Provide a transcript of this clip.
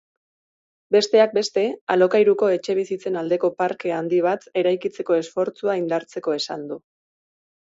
Besteak beste alokairuko etxebizitzen aldeko parke handi bat eraikitzeko esfortzua indartzeko esan du.